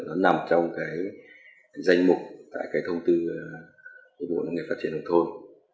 nó nằm trong cái danh mục tại cái thông tư của bộ nông nghiệp phát triển nông thôn